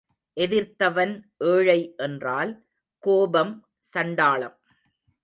எதிர்த்தவன் ஏழை என்றால் கோபம் சண்டாளம்.